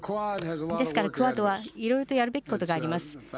ですから、クアッドはいろいろとやるべきことがあります。